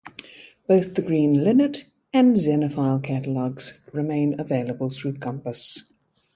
Both the Green Linnet and Xenophile catalogs remain available through Compass.